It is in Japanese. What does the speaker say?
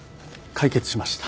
解決しました。